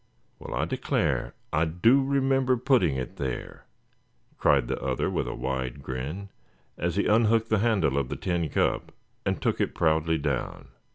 "Well, I declare, I do remember putting it there!" cried the other, with a wide grin, as he unhooked the handle of the tin cup, and took it proudly down.